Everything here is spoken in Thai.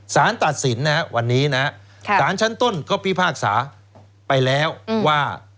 สารตัดสินนะวันนี้นะสารชั้นต้นก็พิพากษาไปแล้วว่า